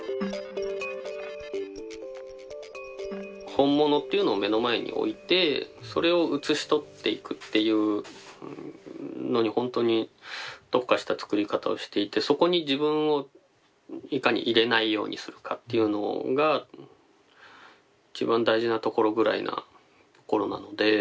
本物というのを目の前に置いてそれを写し取っていくっていうのにほんとに特化した作り方をしていてそこに自分をいかに入れないようにするかっていうのが一番大事なところぐらいなところなので。